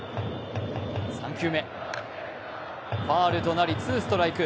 ３球目、ファウルとなり、ツーストライク。